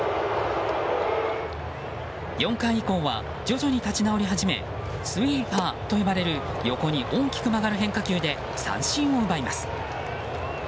４回以降は徐々に立ち直り始めスイーパーと呼ばれる横に大きく曲がる変化球で三振を奪います。